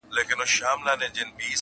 راتلو کي به معیوبه زموږ ټوله جامعه وي-